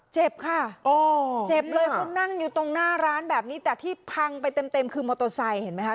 เจ็บค่ะเจ็บเลยเขานั่งอยู่ตรงหน้าร้านแบบนี้แต่ที่พังไปเต็มคือมอเตอร์ไซค์เห็นไหมคะ